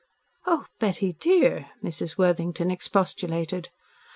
"Oh, Betty, dear!" Mrs. Worthington expostulated.